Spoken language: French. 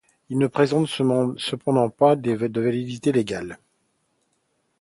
Il ne présente cependant pas de validité légale.